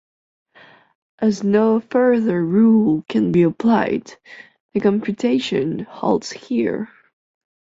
As no further rule can be applied, the computation halts here.